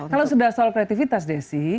kalau sudah soal kreativitas desi